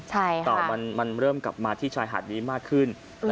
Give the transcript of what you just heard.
แต่มันเริ่มกลับมาที่ชายหาดนี้มากขึ้น